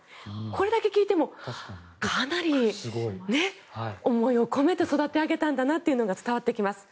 これだけ聞いてもかなり思いを込めて育て上げたんだなというのが伝わってきます。